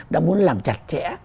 đã muốn làm chặt chẽ